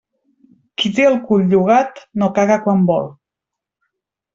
Qui té el cul llogat no caga quan vol.